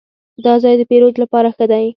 دا ځای د پیرود لپاره ښه دی.